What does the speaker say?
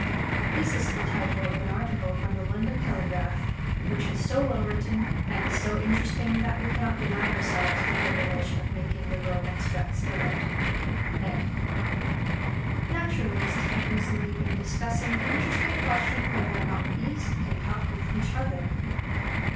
[This is the title of an article from the London Telegraph, which is so well written, and is so interesting that we cannot deny ourselves the privilege of making liberal extracts from it.] Ed. Naturalists have recently been discussing the interesting question whether or not Bees can talk with each other.